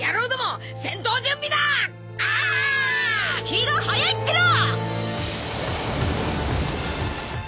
気が早いっての！